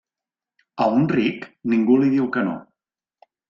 A un ric ningú li diu que no.